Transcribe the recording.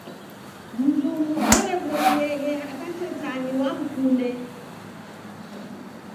Mndumu oreghorieghe hata shetani wamkunde!